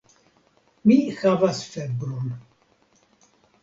Mi havas febron.